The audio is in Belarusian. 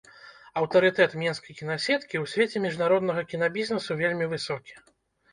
Аўтарытэт мінскай кінасеткі ў свеце міжнароднага кінабізнэсу вельмі высокі.